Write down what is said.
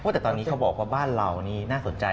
แต่ตอนนี้เขาบอกว่าบ้านเรานี่น่าสนใจ